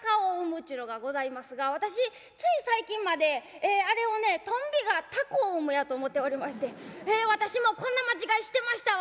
っちゅうのがございますが私つい最近まであれをね「鳶がタコを生む」やと思っておりまして「私もこんな間違いしてましたわ」